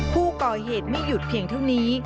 ผู้ก่อเหตุไม่หยุดเพียงเท่านี้